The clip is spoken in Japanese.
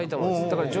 だから。